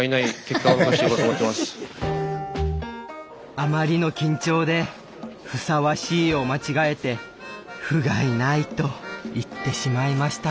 あまりの緊張で「ふさわしい」を間違えて「ふがいない」と言ってしまいました。